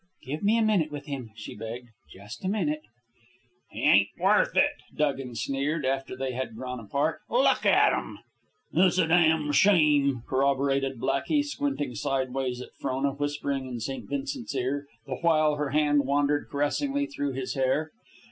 "Give me a minute with him," she begged, "just a minute." "He ain't worth it," Dugan sneered, after they had drawn apart. "Look at 'm." "It's a damned shame," corroborated Blackey, squinting sidewise at Frona whispering in St. Vincent's ear, the while her hand wandered caressingly through his hair.